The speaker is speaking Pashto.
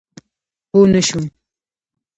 پوه نه شوم؟